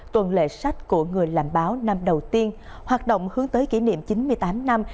tuần lệ sách của người làm báo năm đầu tiên hoạt động hướng tới kỷ niệm chín mươi tám năm